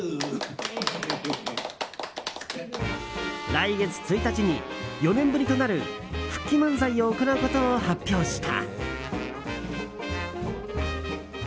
来月１日に４年ぶりとなる復帰漫才を行うことを発表した。